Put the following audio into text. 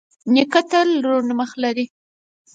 نیکه تل روڼ مخ لري.